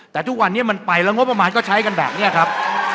แต่ทุกวันนี้มันไปแล้วงบประมาณก็ใช้กันแบบนี้ครับ